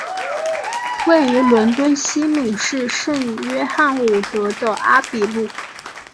位于伦敦西敏市圣约翰伍德的阿比路。